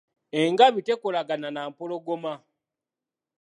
Engabi tekolagana na mpologoma.